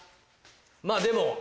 まぁでも。